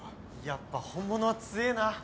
やっぱ本物は強えな。